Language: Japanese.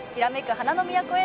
花の都へ」